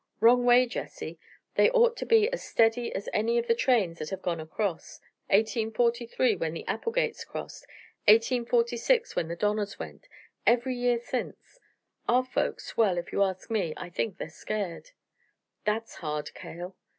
Wrong way, Jesse. They ought to be as steady as any of the trains that have gone across; 1843, when the Applegates crossed; 1846, when the Donners went every year since. Our folks well, if you ask me, I really think they're scared." "That's hard, Cale!"